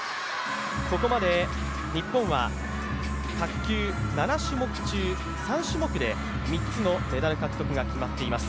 ここまで日本は卓球７種目中３種目で３つのメダル獲得が決まっています。